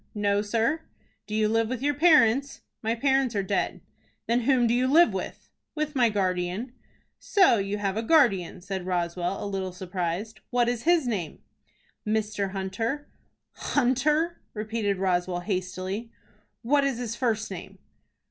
"No, sir." "Do you live with your parents?" "My parents are dead." "Then whom do you live with?" "With my guardian." "So you have a guardian?" said Roswell, a little surprised. "What is his name?" "Mr. Hunter." "Hunter!" repeated Roswell, hastily. "What is his first name?"